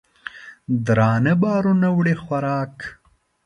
درانه بارونه وړي خوراک